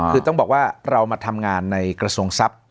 คือต้องบอกว่าเรามาทำงานในกระทรวงทรัพย์